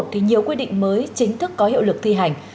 thì nhiều quy định mới chính thức có hiệu lực thi hành